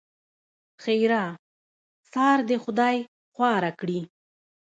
ښېرا؛ سار دې خدای خواره کړي!